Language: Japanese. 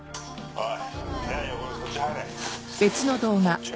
おい。